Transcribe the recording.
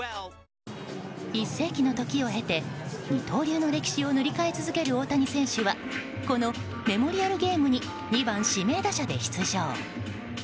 １世紀の時を経て二刀流の歴史を塗り替え続ける大谷選手はこのメモリアルゲームに２番指名打者で出場。